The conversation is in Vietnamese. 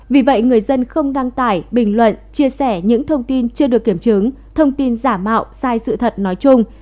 vì vậy người dân không đăng tải bình luận chia sẻ những thông tin chưa được kiểm chứng thông tin giả mạo sai sự thật nói chung